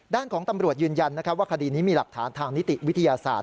ด้านของตำรวจยืนยันว่าคดีนี้มีหลักฐานทางนิติวิทยาศาสตร์